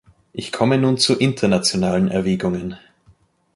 Ich komme nun zu internationalen Erwägungen.